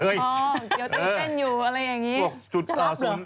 อ๋อเดี๋ยวตื่นเต้นอยู่อะไรอย่างนี้จะรับหรือ